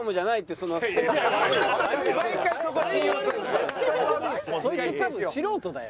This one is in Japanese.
そいつ多分素人だよ。